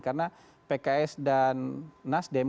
karena pks dan nasdem